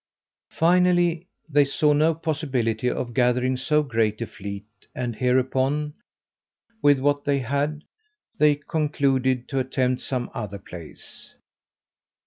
Finally, they saw no possibility of gathering so great a fleet, and hereupon, with what they had, they concluded to attempt some other place.